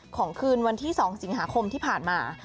คืนวันที่๒สิงหาคมที่ผ่านมา